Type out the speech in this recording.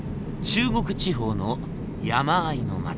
中国地方の山あいの町。